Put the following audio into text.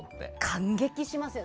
感激しますよね。